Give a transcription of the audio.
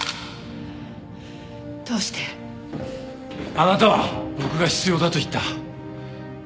あなたは僕が必要だと言った。